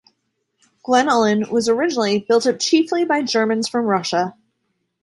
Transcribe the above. Glen Ullin was originally built up chiefly by Germans from Russia.